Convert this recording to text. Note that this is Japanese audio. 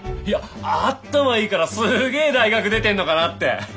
いやあったまいいからすげえ大学出てんのかなって。